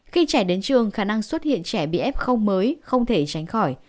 khi trẻ đến trường khả năng xuất hiện trẻ bị f mới không thể tránh khỏi